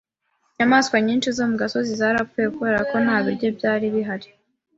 Inyamaswa nyinshi zo mu gasozi zarapfuye kubera ko nta biryo byari bihari.